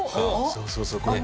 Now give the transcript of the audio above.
そうそうそうこれ。